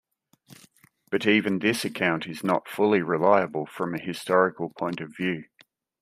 But even this account is not fully reliable from a historical point of view.